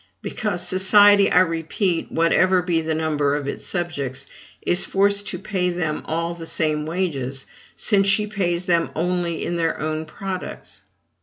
Because society, I repeat, whatever be the number of its subjects, is forced to pay them all the same wages, since she pays them only in their own products.